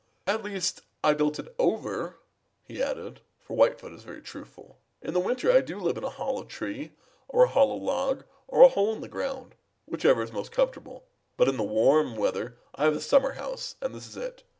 "At least I built it over," he added, for Whitefoot is very truthful. "In the winter I do live in a hollow tree or a hollow log or a hole in the ground, whichever is most comfortable, but in the warm weather I have a summer home, and this is it.